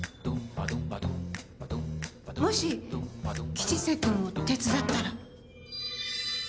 もし、吉瀬君を手伝ったら。